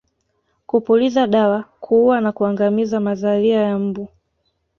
Kupuliza dawa kuua na kuangamiza mazalia ya mbu